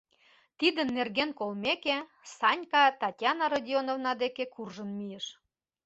Тидын нерген колмеке, Санька Татьяна Родионовна деке куржын мийыш.